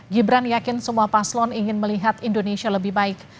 gibran yakin semua paslon ingin melihat indonesia lebih baik